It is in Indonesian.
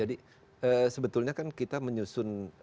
jadi sebetulnya kan kita menyusun